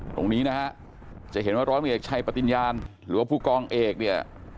ตรงนี้นะฮะจะเห็นว่าร้อยเอกชัยปฏิญญาณหรือว่าผู้กองเอกเนี่ย